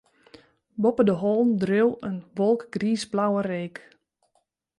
Boppe de hollen dreau in wolk griisblauwe reek.